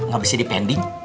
gak bisa dipending